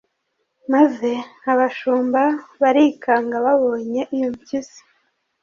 maze abashumba barikanga babonye iyo mpyisi